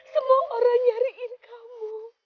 semua orang mencari kamu